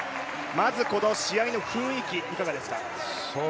まずこの試合の雰囲気、いかがですか。